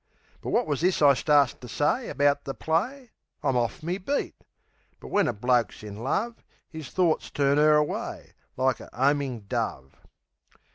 But wot was this I starts to say About the play? I'm off me beat. But when a bloke's in love 'Is thorts turns 'er way, like a 'omin' dove.